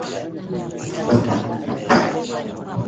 samadi za ngombe